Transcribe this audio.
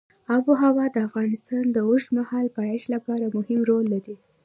آب وهوا د افغانستان د اوږدمهاله پایښت لپاره مهم رول لري.